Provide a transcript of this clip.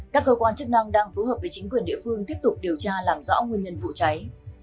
các cơ quan chức năng đang phối hợp với chính quyền địa phương tiếp tục điều tra làm rõ nguyên nhân vụ cháy